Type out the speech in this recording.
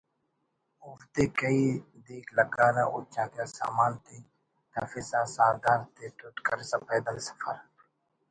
اوفتے کیہی دیک لگارہ ہُچ آتیا سامان تے تفسا ساہدار تے تُد کرسا پیدل سفر